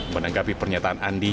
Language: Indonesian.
menanggapi pernyataan andi